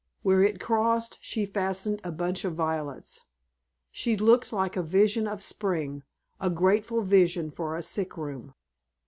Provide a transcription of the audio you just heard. Where it crossed she fastened a bunch of violets. She looked like a vision of spring, a grateful vision for a sick room.